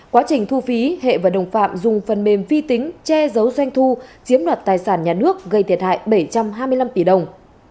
quá trình thu phí hệ và đồng phạm dùng phần mềm vi tính che giấu doanh thu chiếm đoạt tài sản nhà nước gây thiệt hại bảy trăm hai mươi năm tỷ đồng